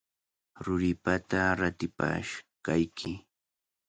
Ruripata ratipashqayki.